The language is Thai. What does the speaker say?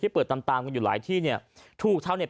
ที่เปิดตำตามกันอยู่หลายที่เนี้ยถูกเท่าเนี้ย